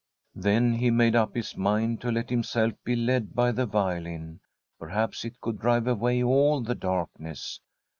Then he made up his mind to let himself be led by the violin ; perhaps it could drive away all the darkness.